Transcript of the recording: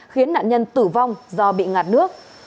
khiến nạn nhân tử vong do bị ngạt nước